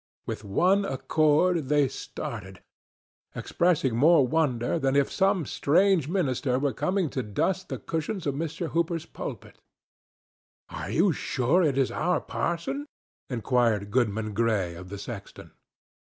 With one accord they started, expressing more wonder than if some strange minister were coming to dust the cushions of Mr. Hooper's pulpit. "Are you sure it is our parson?" inquired Goodman Gray of the sexton.